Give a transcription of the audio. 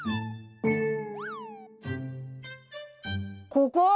ここ！